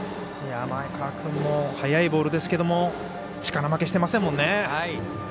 前川君も速いボールですけど力負けしてませんね。